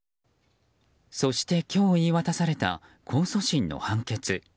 そして、今日言い渡された控訴審の判決。